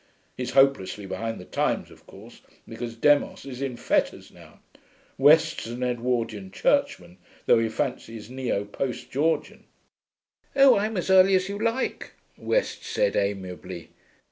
He's hopelessly behind the times, of course, because Demos is in fetters now. West's an Edwardian churchman, though he fancies he is Neo Post Georgian.' 'Oh, I'm as early as you like,' West said amiably.